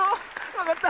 わかった。